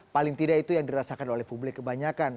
paling tidak itu yang dirasakan oleh publik kebanyakan